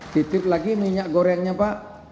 titip lagi minyak gorengnya pak